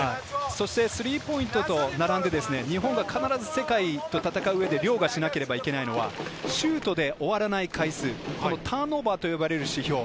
そしてスリーポイントと並んで、日本は必ず、世界と戦う上で凌駕しなければいけないのはシュートで終わらない回数、ターンオーバーと呼ばれる指標。